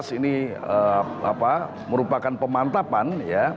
yang dikasih ini merupakan pemantapan